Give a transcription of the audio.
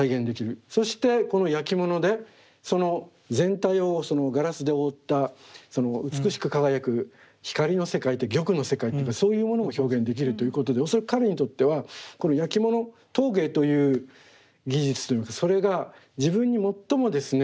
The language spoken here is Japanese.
そしてこのやきものでその全体をガラスで覆った美しく輝く光の世界玉の世界というかそういうものも表現できるということで恐らく彼にとってはこのやきもの陶芸という技術といいますかそれが自分に最もですね